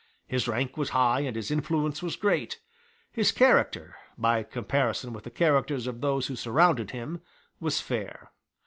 His rank was high and his influence was great: his character, by comparison with the characters of those who surrounded him, was fair.